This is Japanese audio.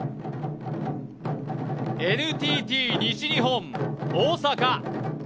ＮＴＴ西日本・大阪。